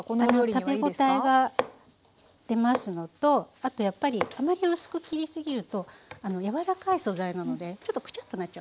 食べ応えが出ますのとあとやっぱりあまり薄く切りすぎるとやわらかい素材なのでちょっとクチャっとなっちゃうんですよ。